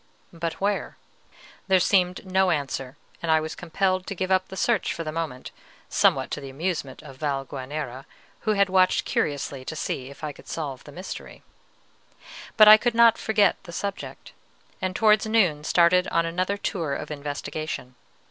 But where? There seemed no answer; and I was compelled to give up the search for the moment, somewhat to the amusement of Valguanera, who had watched curiously to see if I could solve the mystery. But I could not forget the subject, and towards noon started on another tour of investigation.